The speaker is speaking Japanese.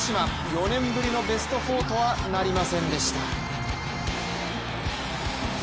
４年ぶりのベスト４とはなりませんでした。